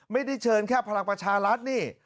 ไม่ได้เชิญแค่พลังประชารัฐนี่